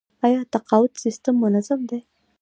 آیا تقاعد سیستم منظم دی؟